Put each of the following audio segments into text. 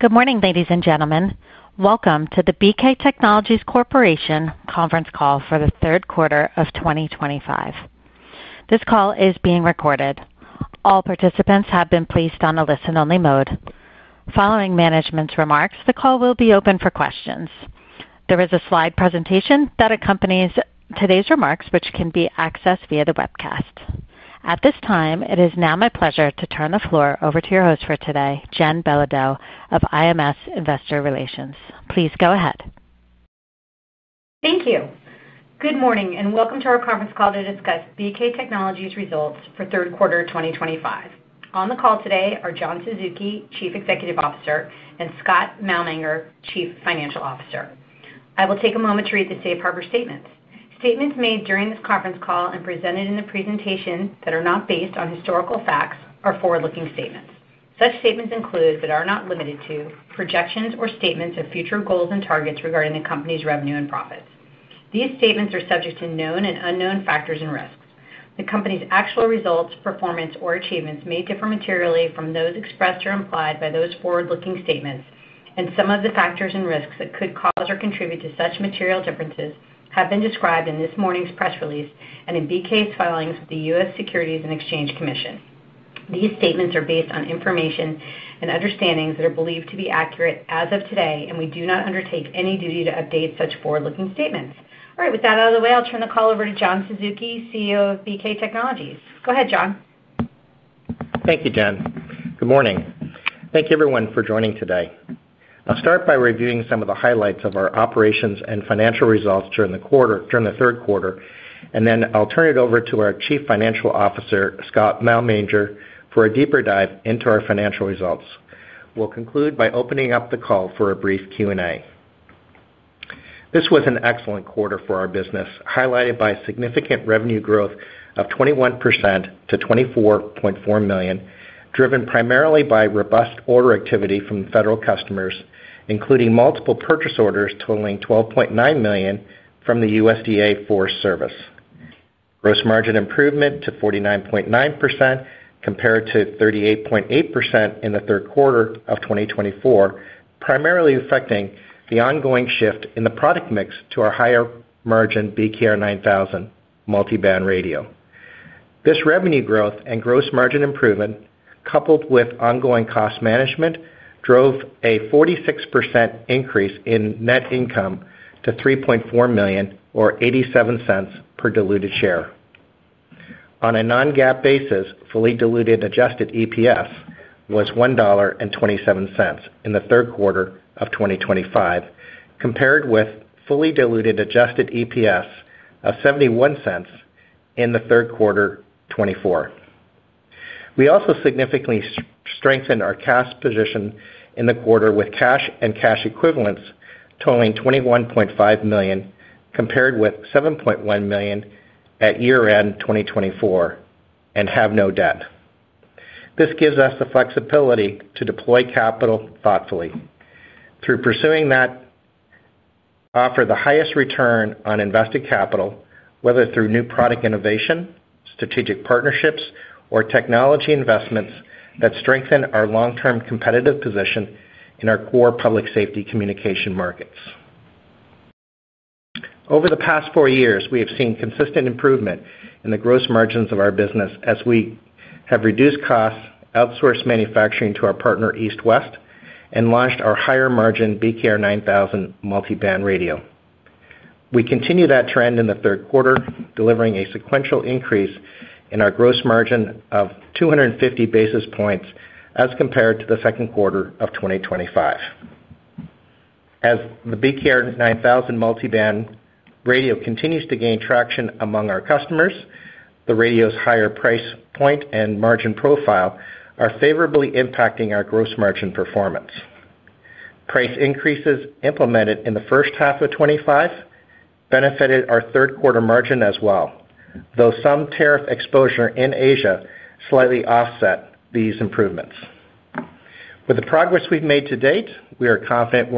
Good morning, ladies and gentlemen. Welcome to the BK Technologies Corporation conference call for the third quarter of 2025. This call is being recorded. All participants have been placed on a listen-only mode. Following management's remarks, the call will be open for questions. There is a slide presentation that accompanies today's remarks, which can be accessed via the webcast. At this time, it is now my pleasure to turn the floor over to your host for today, Jen Bilodeau of IMS Investor Relations. Please go ahead. Thank you. Good morning and welcome to our conference call to discuss BK Technologies' results for third quarter 2025. On the call today are John Suzuki, Chief Executive Officer, and Scott Malmanger, Chief Financial Officer. I will take a moment to read the safe harbor statements. Statements made during this conference call and presented in the presentation that are not based on historical facts are forward-looking statements. Such statements include, but are not limited to, projections or statements of future goals and targets regarding the company's revenue and profits. These statements are subject to known and unknown factors and risks. The company's actual results, performance, or achievements may differ materially from those expressed or implied by those forward-looking statements, and some of the factors and risks that could cause or contribute to such material differences have been described in this morning's press release and in BK's filings with the U.S. Securities and Exchange Commission. These statements are based on information and understandings that are believed to be accurate as of today, and we do not undertake any duty to update such forward-looking statements. All right. With that out of the way, I'll turn the call over to John Suzuki, CEO of BK Technologies. Go ahead, John. Thank you, Jen. Good morning. Thank you, everyone, for joining today. I'll start by reviewing some of the highlights of our operations and financial results during the third quarter, and then I'll turn it over to our Chief Financial Officer, Scott Malmanger, for a deeper dive into our financial results. We'll conclude by opening up the call for a brief Q&A. This was an excellent quarter for our business, highlighted by significant revenue growth of 21% to $24.4 million, driven primarily by robust order activity from federal customers, including multiple purchase orders totaling $12.9 million from the USDA Forest Service. Gross margin improvement to 49.9% compared to 38.8% in the third quarter of 2024, primarily affecting the ongoing shift in the product mix to our higher margin BKR 9000 multiband radio. This revenue growth and gross margin improvement, coupled with ongoing cost management, drove a 46% increase in net income to $3.4 million, or $0.87 per diluted share. On a non-GAAP basis, fully diluted adjusted EPS was $1.27 in the third quarter of 2025, compared with fully diluted adjusted EPS of $0.71 in the third quarter 2024. We also significantly strengthened our cash position in the quarter with cash and cash equivalents totaling $21.5 million, compared with $7.1 million at year-end 2024, and have no debt. This gives us the flexibility to deploy capital thoughtfully. Through pursuing that offer the highest return on invested capital, whether through new product innovation, strategic partnerships, or technology investments that strengthen our long-term competitive position in our core public safety communication markets. Over the past four years, we have seen consistent improvement in the gross margins of our business as we have reduced costs, outsourced manufacturing to our partner EastWest, and launched our higher margin BKR 9000 multiband radio. We continue that trend in the third quarter, delivering a sequential increase in our gross margin of 250 basis points as compared to the second quarter of 2025. As the BKR 9000 multiband radio continues to gain traction among our customers, the radio's higher price point and margin profile are favorably impacting our gross margin performance. Price increases implemented in the first half of 2025 benefited our third quarter margin as well, though some tariff exposure in Asia slightly offset these improvements. With the progress we've made to date, we are confident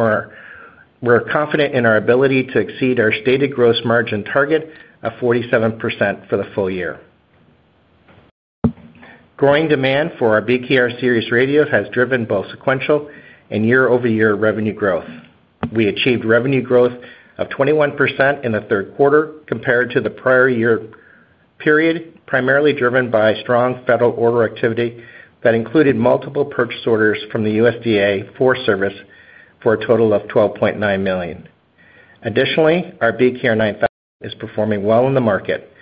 in our ability to exceed our stated gross margin target of 47% for the full year. Growing demand for our BKR series radios has driven both sequential and year-over-year revenue growth. We achieved revenue growth of 21% in the third quarter compared to the prior year period, primarily driven by strong federal order activity that included multiple purchase orders from the USDA Forest Service for a total of $12.9 million. Additionally, our BKR 9000 is performing well in the market.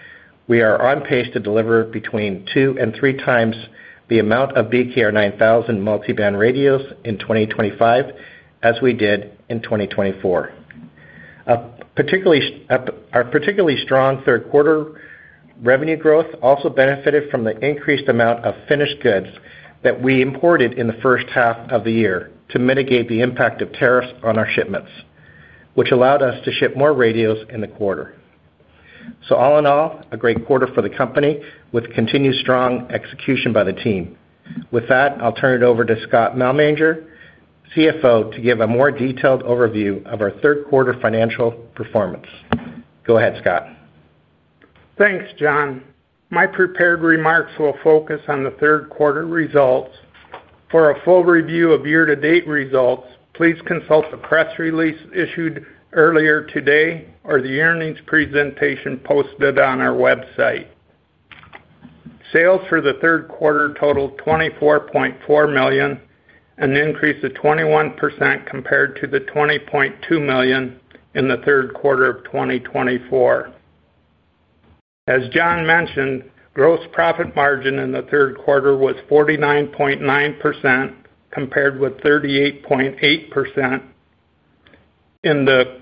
We are on pace to deliver between 2x and 3x the amount of BKR 9000 multiband radios in 2025 as we did in 2024. Our particularly strong third quarter revenue growth also benefited from the increased amount of finished goods that we imported in the first half of the year to mitigate the impact of tariffs on our shipments, which allowed us to ship more radios in the quarter. All in all, a great quarter for the company with continued strong execution by the team. With that, I'll turn it over to Scott Malmanger, CFO, to give a more detailed overview of our third quarter financial performance. Go ahead, Scott. Thanks, John. My prepared remarks will focus on the third quarter results. For a full review of year-to-date results, please consult the press release issued earlier today or the earnings presentation posted on our website. Sales for the third quarter totaled $24.4 million, an increase of 21% compared to the $20.2 million in the third quarter of 2024. As John mentioned, gross profit margin in the third quarter was 49.9% compared with 38.8% in the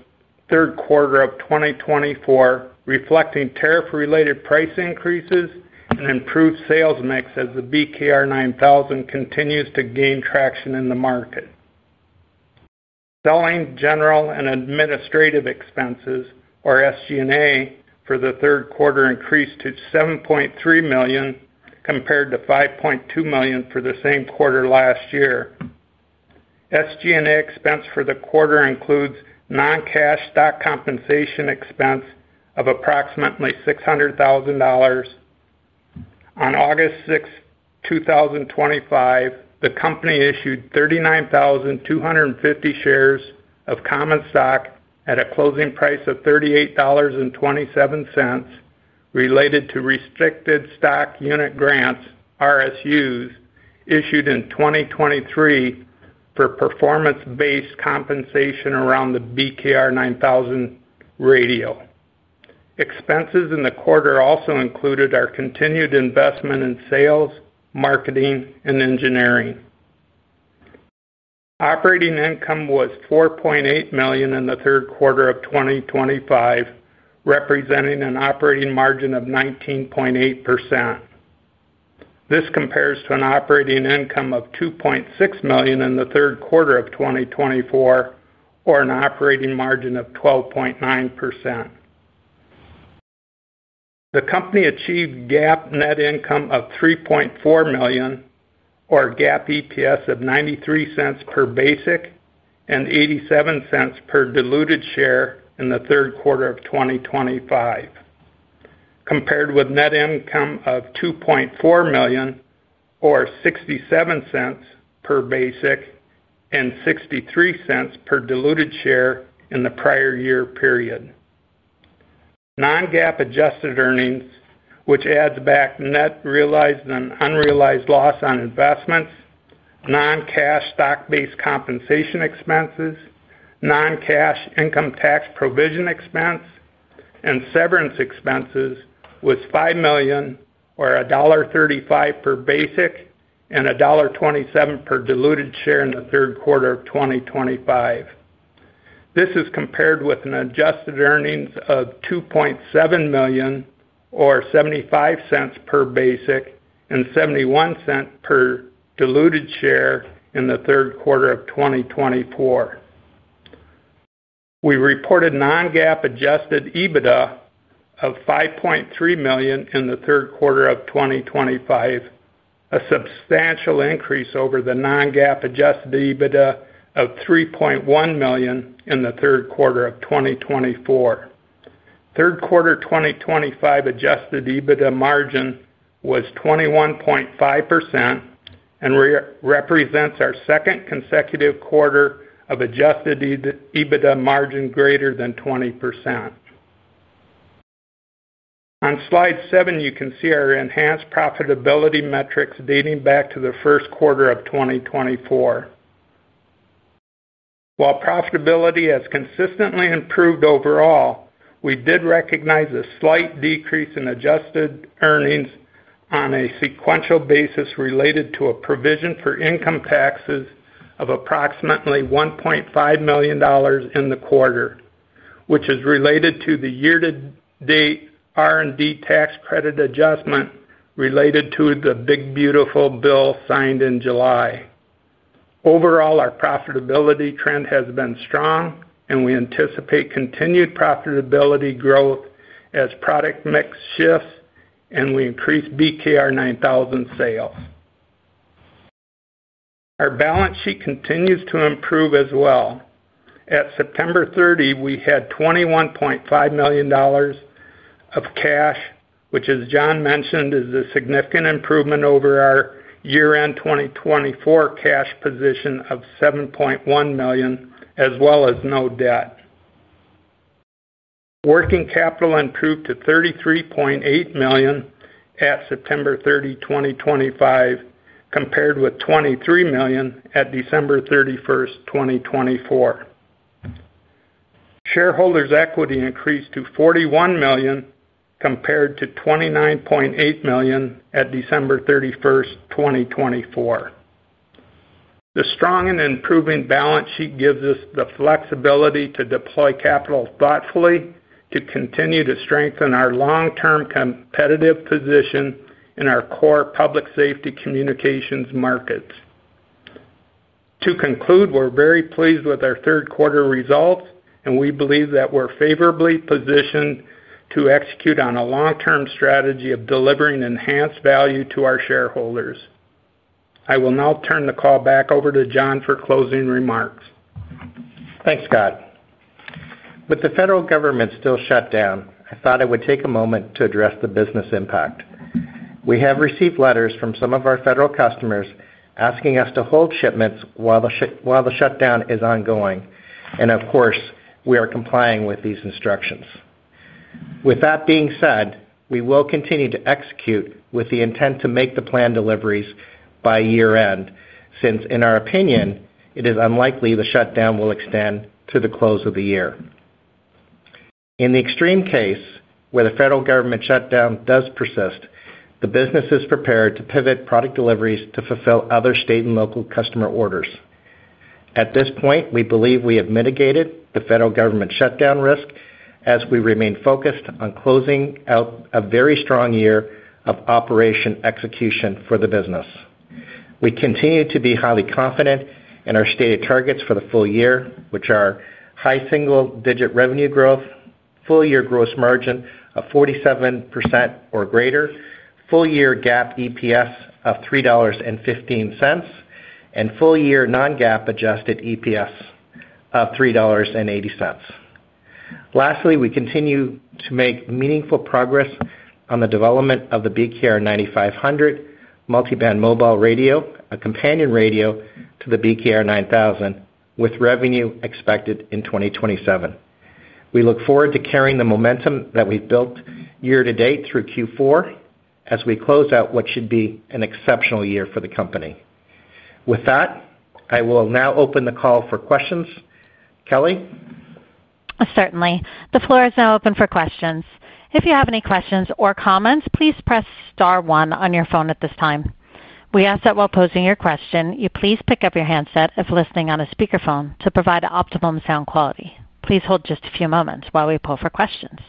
third quarter of 2024, reflecting tariff-related price increases and improved sales mix as the BKR 9000 continues to gain traction in the market. Selling, general and administrative expenses, or SG&A, for the third quarter increased to $7.3 million compared to $5.2 million for the same quarter last year. SG&A expense for the quarter includes non-cash stock compensation expense of approximately $600,000. On August 6th, 2025, the company issued 39,250 shares of common stock at a closing price of $38.27 related to Restricted Stock Unit grants, RSUs, issued in 2023. For performance-based compensation around the BKR 9000 radio. Expenses in the quarter also included our continued investment in sales, marketing, and engineering. Operating income was $4.8 million in the third quarter of 2025, representing an operating margin of 19.8%. This compares to an operating income of $2.6 million in the third quarter of 2024, or an operating margin of 12.9%. The company achieved GAAP net income of $3.4 million, or GAAP EPS of $0.93 per basic and $0.87 per diluted share in the third quarter of 2025, compared with net income of $2.4 million, or $0.67 per basic and $0.63 per diluted share in the prior year period. Non-GAAP adjusted earnings, which adds back net realized and unrealized loss on investments, non-cash stock-based compensation expenses, non-cash income tax provision expense, and severance expenses was $5 million, or $1.35 per basic and $1.27 per diluted share in the third quarter of 2025. This is compared with an adjusted earnings of $2.7 million, or $0.75 per basic and $0.71 per diluted share in the third quarter of 2024. We reported non-GAAP adjusted EBITDA of $5.3 million in the third quarter of 2025. A substantial increase over the non-GAAP adjusted EBITDA of $3.1 million in the third quarter of 2024. Third quarter 2025 adjusted EBITDA margin was 21.5%. It represents our second consecutive quarter of adjusted EBITDA margin greater than 20%. On slide seven, you can see our enhanced profitability metrics dating back to the first quarter of 2024. While profitability has consistently improved overall, we did recognize a slight decrease in adjusted earnings on a sequential basis related to a provision for income taxes of approximately $1.5 million in the quarter, which is related to the year-to-date R&D tax credit adjustment related to the Big Beautiful Bill signed in July. Overall, our profitability trend has been strong, and we anticipate continued profitability growth as product mix shifts and we increase BKR 9000 sales. Our balance sheet continues to improve as well. At September 30, we had $21.5 million of cash, which, as John mentioned, is a significant improvement over our year-end 2024 cash position of $7.1 million, as well as no debt. Working capital improved to $33.8 million at September 30, 2025, compared with $23 million at December 31st, 2024. Shareholders' equity increased to $41 million compared to $29.8 million at December 31st, 2024. The strong and improving balance sheet gives us the flexibility to deploy capital thoughtfully to continue to strengthen our long-term competitive position in our core public safety communications markets. To conclude, we're very pleased with our third quarter results, and we believe that we're favorably positioned to execute on a long-term strategy of delivering enhanced value to our shareholders. I will now turn the call back over to John for closing remarks. Thanks, Scott. With the federal government still shut down, I thought it would take a moment to address the business impact. We have received letters from some of our federal customers asking us to hold shipments while the shutdown is ongoing. Of course, we are complying with these instructions. With that being said, we will continue to execute with the intent to make the planned deliveries by year-end, since, in our opinion, it is unlikely the shutdown will extend to the close of the year. In the extreme case, where the federal government shutdown does persist, the business is prepared to pivot product deliveries to fulfill other state and local customer orders. At this point, we believe we have mitigated the federal government shutdown risk as we remain focused on closing out a very strong year of operation execution for the business. We continue to be highly confident in our stated targets for the full year, which are high single-digit revenue growth, full-year gross margin of 47% or greater, full-year GAAP EPS of $3.15, and full-year non-GAAP adjusted EPS of $3.80. Lastly, we continue to make meaningful progress on the development of the BKR 9500 multiband mobile radio, a companion radio to the BKR 9000, with revenue expected in 2027. We look forward to carrying the momentum that we've built year-to-date through Q4 as we close out what should be an exceptional year for the company. With that, I will now open the call for questions. Kelly. Certainly. The floor is now open for questions. If you have any questions or comments, please press star one on your phone at this time. We ask that while posing your question, you please pick up your handset if listening on a speakerphone to provide optimum sound quality. Please hold just a few moments while we pull for questions.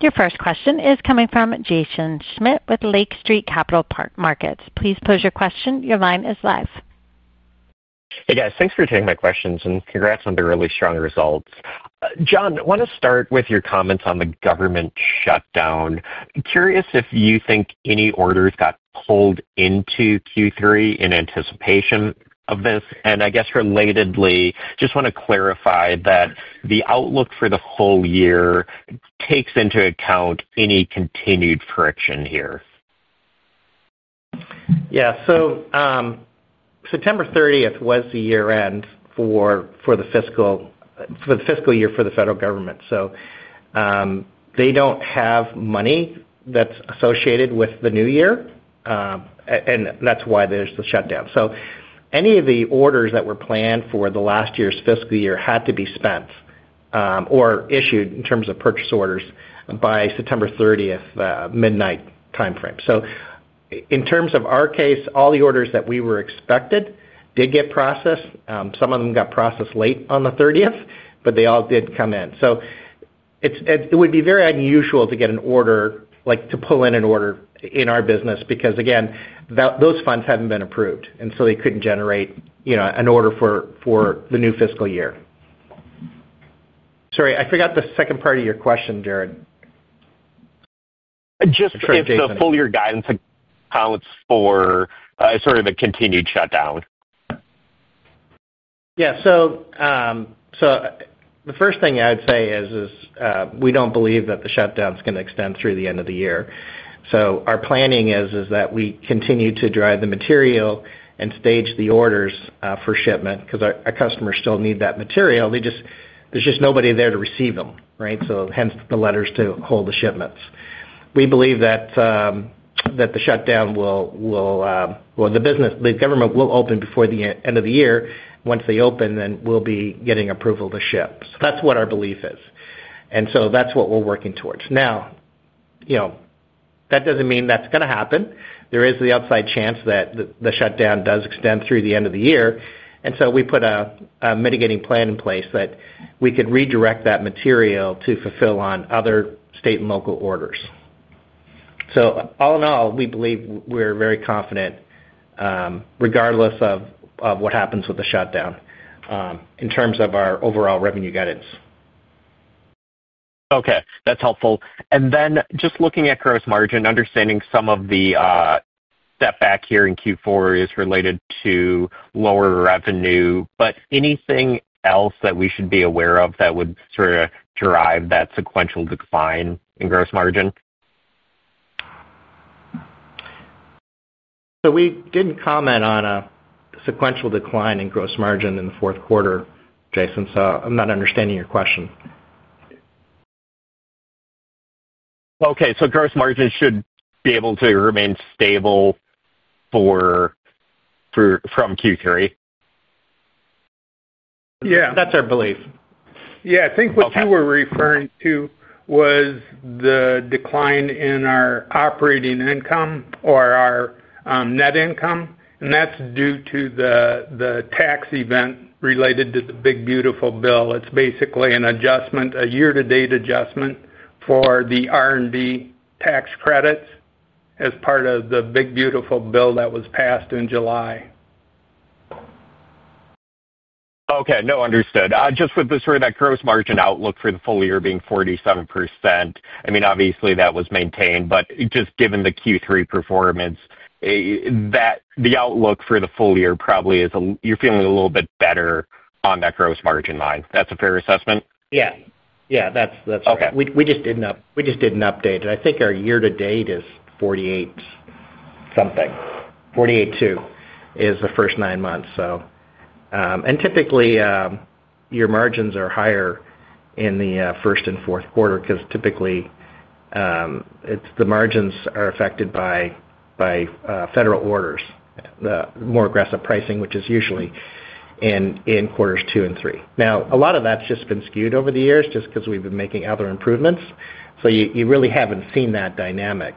Your first question is coming from Jaeson Schmidt with Lake Street Capital Markets. Please pose your question. Your line is live. Hey, guys. Thanks for taking my questions, and congrats on the really strong results. John, I want to start with your comments on the government shutdown. Curious if you think any orders got pulled into Q3 in anticipation of this. I guess relatedly, just want to clarify that the outlook for the full year takes into account any continued friction here. Yeah. September 30th was the year-end for the fiscal year for the federal government. They do not have money that is associated with the new year, and that is why there is the shutdown. Any of the orders that were planned for the last year's fiscal year had to be spent or issued in terms of purchase orders by September 30th, midnight timeframe. In terms of our case, all the orders that we were expected did get processed. Some of them got processed late on the 30th, but they all did come in. It would be very unusual to get an order, to pull in an order in our business, because, again, those funds have not been approved, and so they could not generate an order for the new fiscal year. Sorry, I forgot the second part of your question, Jason. Just for the full-year guidance accounts for sort of the continued shutdown. Yeah. The first thing I would say is we don't believe that the shutdown is going to extend through the end of the year. Our planning is that we continue to drive the material and stage the orders for shipment because our customers still need that material. There's just nobody there to receive them, right? Hence the letters to hold the shipments. We believe that the shutdown will—the government will open before the end of the year. Once they open, then we'll be getting approval to ship. That's what our belief is, and that's what we're working towards. Now, that doesn't mean that's going to happen. There is the outside chance that the shutdown does extend through the end of the year. We put a mitigating plan in place that we could redirect that material to fulfill on other state and local orders. All in all, we believe we're very confident. Regardless of what happens with the shutdown, in terms of our overall revenue guidance. Okay. That's helpful. Just looking at gross margin, understanding some of the step back here in Q4 is related to lower revenue. Anything else that we should be aware of that would sort of drive that sequential decline in gross margin? We didn't comment on a sequential decline in gross margin in the fourth quarter, Jason. I'm not understanding your question. Okay. So gross margin should be able to remain stable from Q3? Yeah. That's our belief. Yeah. I think what you were referring to was the decline in our operating income or our net income. That's due to the tax event related to the Big Beautiful Bill. It's basically an adjustment, a year-to-date adjustment for the R&D tax credits as part of the Big Beautiful Bill that was passed in July. Okay. No, understood. Just with sort of that gross margin outlook for the full year being 47%, I mean, obviously that was maintained. Just given the Q3 performance, the outlook for the full year probably is you're feeling a little bit better on that gross margin line. That's a fair assessment? Yeah. Yeah. That's fair. We just didn't update it. I think our year-to-date is 48%-something. 48.2% is the first nine months, so. Typically, your margins are higher in the first and fourth quarter because typically the margins are affected by federal orders, the more aggressive pricing, which is usually in quarters two and three. Now, a lot of that's just been skewed over the years just because we've been making other improvements. You really haven't seen that dynamic.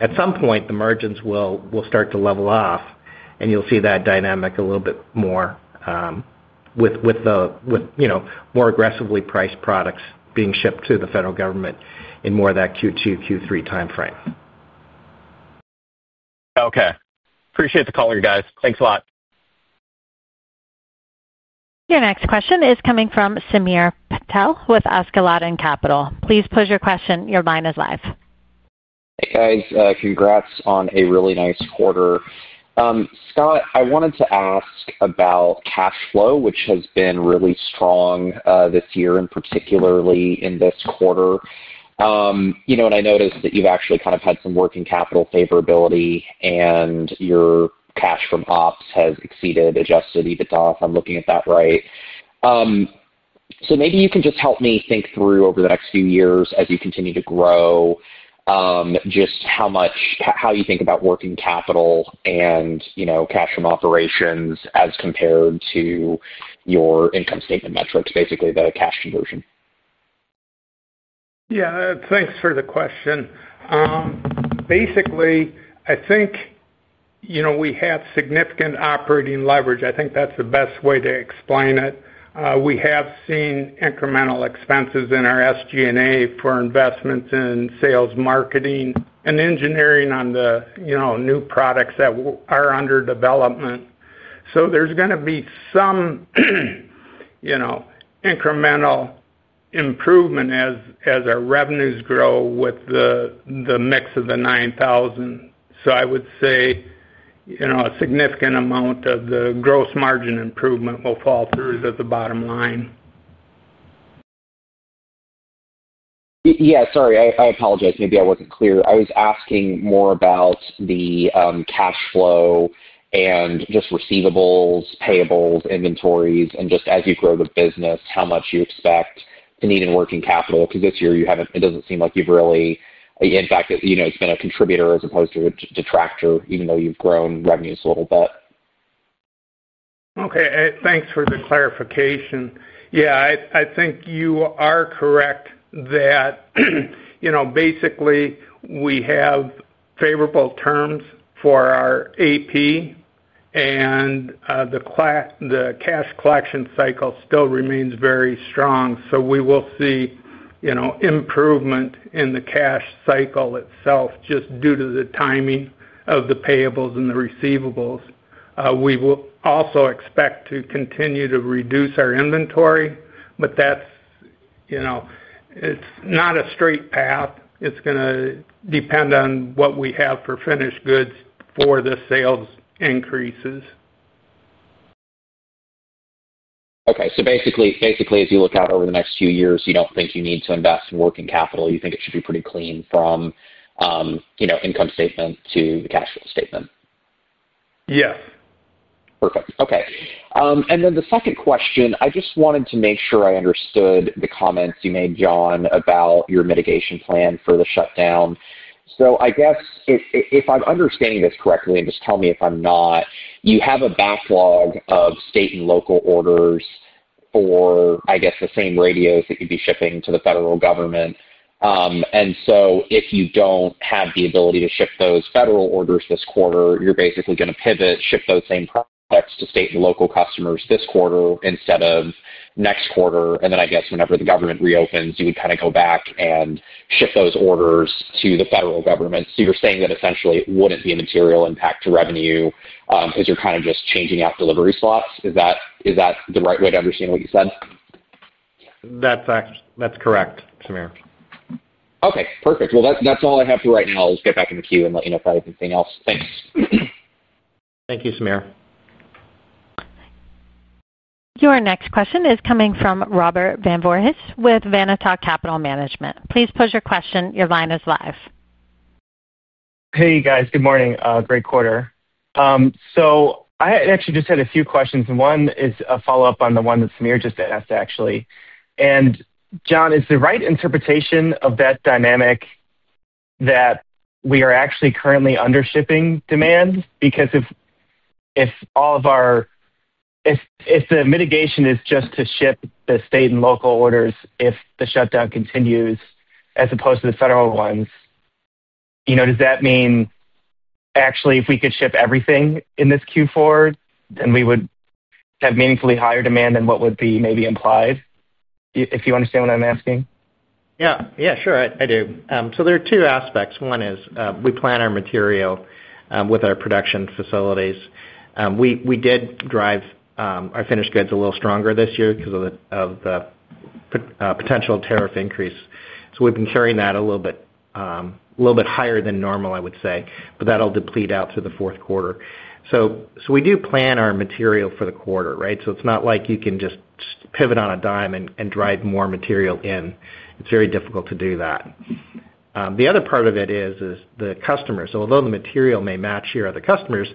At some point, the margins will start to level off, and you'll see that dynamic a little bit more with more aggressively priced products being shipped to the federal government in more of that Q2, Q3 timeframe. Okay. Appreciate the call, you guys. Thanks a lot. Your next question is coming from Samir Patel with Askeladden Capital. Please pose your question. Your line is live. Hey, guys. Congrats on a really nice quarter. Scott, I wanted to ask about cash flow, which has been really strong this year, and particularly in this quarter. I noticed that you've actually kind of had some working capital favorability, and your cash from ops has exceeded adjusted EBITDA, if I'm looking at that right. Maybe you can just help me think through over the next few years as you continue to grow. Just how much how you think about working capital and cash from operations as compared to your income statement metrics, basically the cash conversion. Yeah. Thanks for the question. Basically, I think. We have significant operating leverage. I think that's the best way to explain it. We have seen incremental expenses in our SG&A for investments in sales, marketing, and engineering on the new products that are under development. There is going to be some incremental improvement as our revenues grow with the mix of the 9000. I would say a significant amount of the gross margin improvement will fall through to the bottom line. Yeah. Sorry, I apologize. Maybe I wasn't clear. I was asking more about the cash flow and just receivables, payables, inventories, and just as you grow the business, how much you expect to need in working capital. Because this year, it doesn't seem like you've really, in fact, it's been a contributor as opposed to a detractor, even though you've grown revenues a little bit. Okay. Thanks for the clarification. Yeah. I think you are correct that. Basically, we have favorable terms for our AP. The cash collection cycle still remains very strong. We will see improvement in the cash cycle itself just due to the timing of the payables and the receivables. We will also expect to continue to reduce our inventory, but that's not a straight path. It's going to depend on what we have for finished goods for the sales increases. Okay. So basically, as you look out over the next few years, you don't think you need to invest in working capital. You think it should be pretty clean from income statement to the cash flow statement? Yeah. Perfect. Okay. The second question, I just wanted to make sure I understood the comments you made, John, about your mitigation plan for the shutdown. I guess, if I'm understanding this correctly, and just tell me if I'm not, you have a backlog of state and local orders for, I guess, the same radios that you'd be shipping to the federal government. If you don't have the ability to ship those federal orders this quarter, you're basically going to pivot, ship those same products to state and local customers this quarter instead of next quarter. I guess whenever the government reopens, you would kind of go back and ship those orders to the federal government. You're saying that essentially it wouldn't be a material impact to revenue because you're kind of just changing out delivery slots. Is that the right way to understand what you said? That's correct, Samir. Okay. Perfect. That's all I have for right now. I'll just get back in the queue and let you know if I have anything else. Thanks. Thank you, Samir. Your next question is coming from Robert Van Voorhis with Vanatoc Capital Management. Please pose your question. Your line is live. Hey, guys. Good morning. Great quarter. I actually just had a few questions. One is a follow-up on the one that Samir just asked, actually. John, is the right interpretation of that dynamic that we are actually currently undershipping demand? Because if all of our, if the mitigation is just to ship the state and local orders if the shutdown continues as opposed to the federal ones, does that mean actually if we could ship everything in this Q4, then we would have meaningfully higher demand than what would be maybe implied? If you understand what I'm asking. Yeah. Yeah. Sure. I do. So there are two aspects. One is we plan our material with our production facilities. We did drive our finished goods a little stronger this year because of the potential tariff increase. So we've been carrying that a little bit higher than normal, I would say, but that'll deplete out to the fourth quarter. We do plan our material for the quarter, right? It's not like you can just pivot on a dime and drive more material in. It's very difficult to do that. The other part of it is the customers. Although the material may match here at the customers,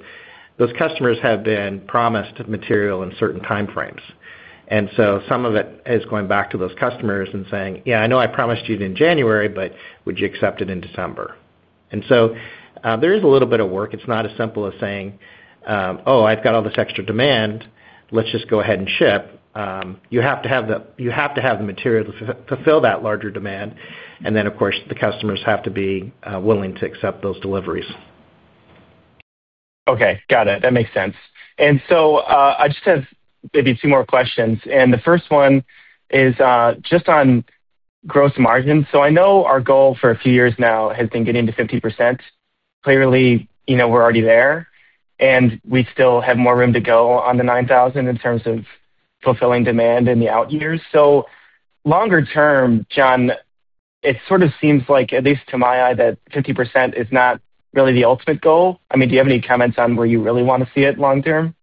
those customers have been promised material in certain timeframes. Some of it is going back to those customers and saying, "Yeah, I know I promised you in January, but would you accept it in December?" There is a little bit of work. It's not as simple as saying, "Oh, I've got all this extra demand. Let's just go ahead and ship." You have to have the material to fulfill that larger demand. Of course, the customers have to be willing to accept those deliveries. Okay. Got it. That makes sense. I just have maybe two more questions. The first one is just on gross margin. I know our goal for a few years now has been getting to 50%. Clearly, we're already there. We still have more room to go on the 9000 in terms of fulfilling demand in the out years. Longer term, John, it sort of seems like, at least to my eye, that 50% is not really the ultimate goal. I mean, do you have any comments on where you really want to see it long term?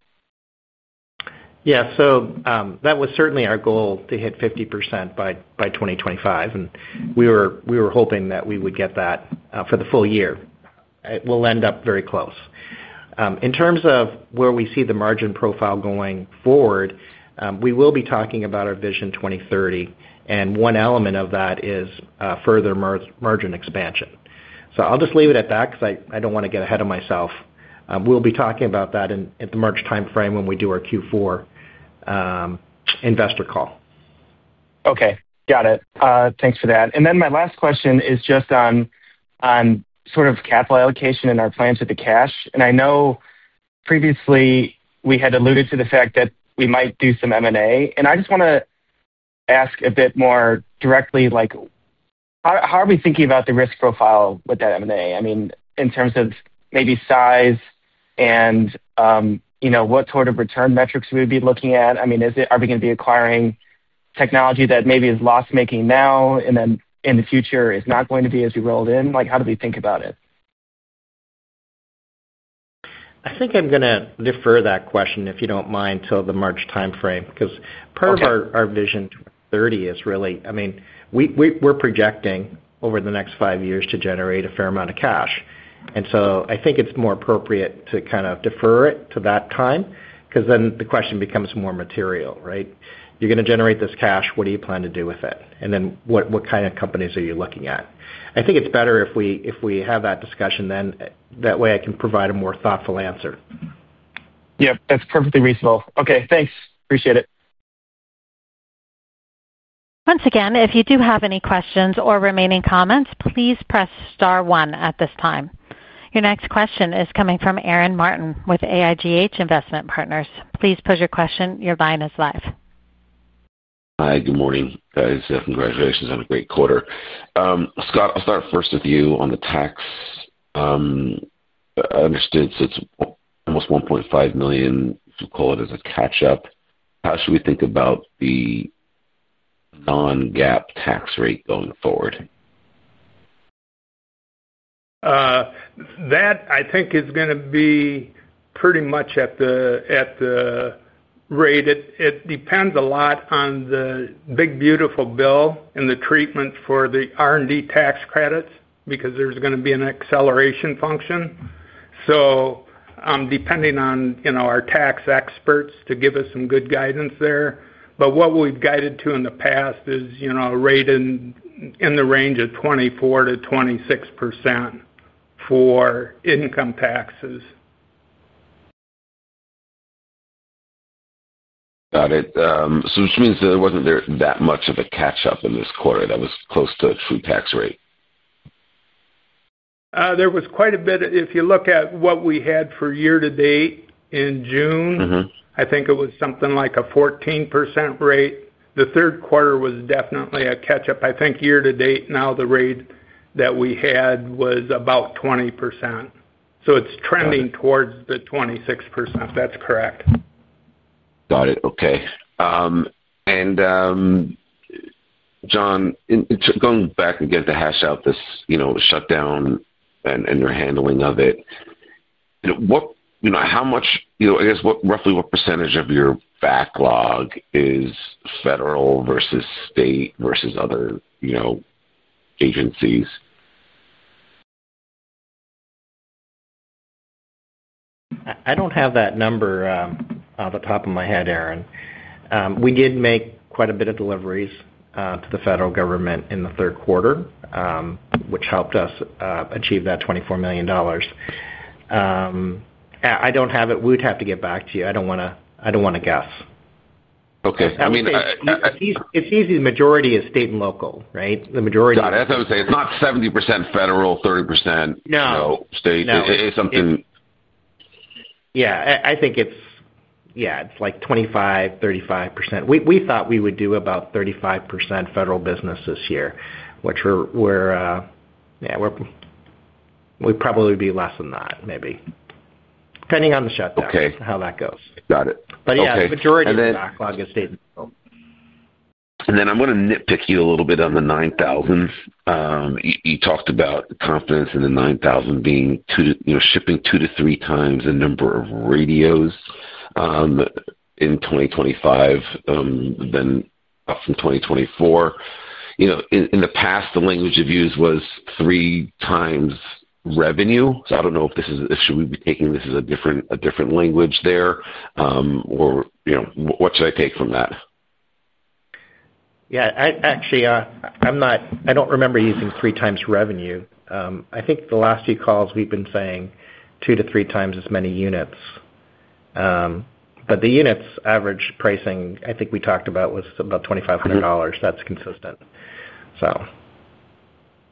Yeah. That was certainly our goal to hit 50% by 2025. We were hoping that we would get that for the full year. It will end up very close. In terms of where we see the margin profile going forward, we will be talking about our vision 2030. One element of that is further margin expansion. I'll just leave it at that because I don't want to get ahead of myself. We'll be talking about that at the March timeframe when we do our Q4 investor call. Okay. Got it. Thanks for that. My last question is just on sort of capital allocation and our plans with the cash. I know previously we had alluded to the fact that we might do some M&A. I just want to ask a bit more directly. How are we thinking about the risk profile with that M&A? I mean, in terms of maybe size and what sort of return metrics we would be looking at? I mean, are we going to be acquiring technology that maybe is loss-making now and then in the future is not going to be as we roll it in? How do we think about it? I think I'm going to defer that question, if you don't mind, till the March timeframe. Because part of our vision 2030 is really, I mean, we're projecting over the next five years to generate a fair amount of cash. I think it's more appropriate to kind of defer it to that time because then the question becomes more material, right? You're going to generate this cash. What do you plan to do with it? What kind of companies are you looking at? I think it's better if we have that discussion then. That way I can provide a more thoughtful answer. Yep. That's perfectly reasonable. Okay. Thanks. Appreciate it. Once again, if you do have any questions or remaining comments, please press star one at this time. Your next question is coming from Aaron Martin with AIGH Investment Partners. Please pose your question. Your line is live. Hi. Good morning, guys. Congratulations on a great quarter. Scott, I'll start first with you on the tax. I understood it's almost $1.5 million. You call it as a catch-up. How should we think about the non-GAAP tax rate going forward? That I think is going to be pretty much at the rate. It depends a lot on the Big Beautiful Bill and the treatment for the R&D tax credits because there's going to be an acceleration function. Depending on our tax experts to give us some good guidance there. What we've guided to in the past is a rate in the range of 24%-26% for income taxes. Got it. So which means there wasn't that much of a catch-up in this quarter that was close to a true tax rate? There was quite a bit. If you look at what we had for year-to-date in June, I think it was something like a 14% rate. The third quarter was definitely a catch-up. I think year to date now the rate that we had was about 20%. So it's trending towards the 26%. That's correct. Got it. Okay. John, going back again to hash out this shutdown. And your handling of it. How much, I guess, roughly what percentage of your backlog is federal versus state versus other agencies? I don't have that number. Off the top of my head, Aaron. We did make quite a bit of deliveries to the federal government in the third quarter, which helped us achieve that $24 million. I don't have it. We would have to get back to you. I don't want to guess. Okay. I mean. It's easy to say the majority is state and local, right? The majority. Got it. That's what I was going to say. It's not 70% federal, 30%. No. State. It's something. Yeah. I think it's, yeah, it's like 25%-35%. We thought we would do about 35% federal business this year, which we're. Yeah. We're. We probably would be less than that, maybe. Depending on the shutdown, how that goes. Got it. Okay. Yeah, the majority of the backlog is state and local. I'm going to nitpick you a little bit on the 9000. You talked about confidence in the 9000 being shipping 2x to 3x the number of radios in 2025 than up from 2024. In the past, the language of use was 3x revenue. I don't know if this is, should we be taking this as a different language there? What should I take from that? Yeah. Actually, I don't remember using 3x revenue. I think the last few calls we've been saying two to three times as many units. But the units' average pricing, I think we talked about, was about $2,500. That's consistent, so.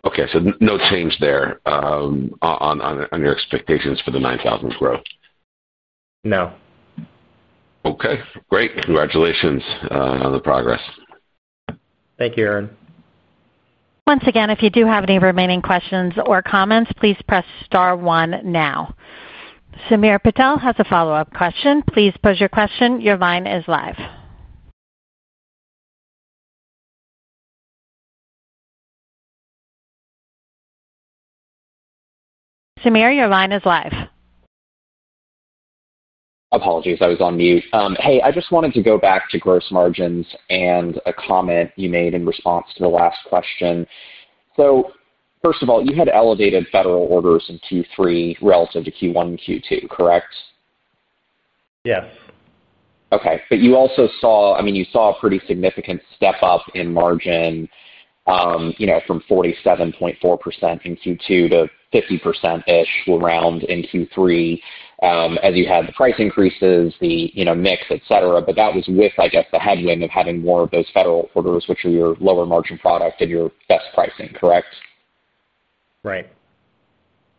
Okay. So no change there. On your expectations for the 9000 growth? No. Okay. Great. Congratulations on the progress. Thank you, Aaron. Once again, if you do have any remaining questions or comments, please press star one now. Samir Patel has a follow-up question. Please pose your question. Your line is live. Samir, your line is live. Apologies. I was on mute. Hey, I just wanted to go back to gross margins and a comment you made in response to the last question. First of all, you had elevated federal orders in Q3 relative to Q1 and Q2, correct? Yes. Okay. But you also saw, I mean, you saw a pretty significant step up in margin. From 47.4% in Q2 to 50%-ish around in Q3. As you had the price increases, the mix, etc. But that was with, I guess, the headwind of having more of those federal orders, which are your lower margin product and your best pricing, correct? Right.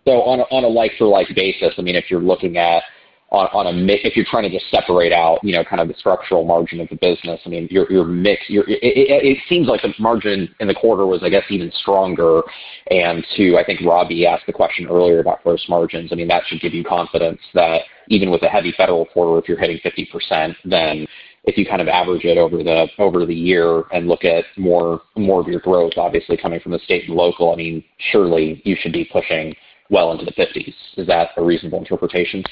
On a like-for-like basis, I mean, if you're looking at, on a mix, if you're trying to just separate out kind of the structural margin of the business, I mean, your mix, it seems like the margin in the quarter was, I guess, even stronger. And two, I think Robbie asked the question earlier about gross margins. I mean, that should give you confidence that even with a heavy federal quarter, if you're hitting 50%, then if you kind of average it over the year and look at more of your growth, obviously coming from the state and local, I mean, surely you should be pushing well into the 50s. Is that a reasonable interpretation?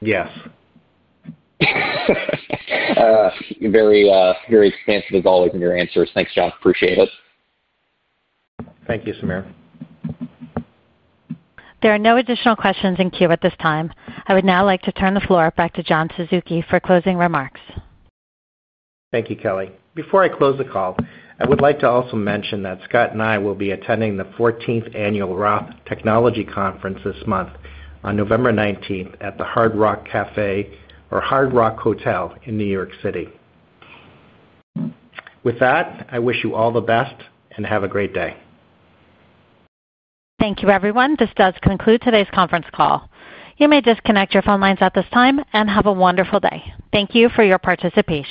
Yes. Very expansive as always in your answers. Thanks, John. Appreciate it. Thank you, Samir. There are no additional questions in queue at this time. I would now like to turn the floor back to John Suzuki for closing remarks. Thank you, Kelly. Before I close the call, I would like to also mention that Scott and I will be attending the 14th Annual Roth Technology Conference this month on November 19 at the Hard Rock Hotel in New York City. With that, I wish you all the best and have a great day. Thank you, everyone. This does conclude today's conference call. You may disconnect your phone lines at this time and have a wonderful day. Thank you for your participation.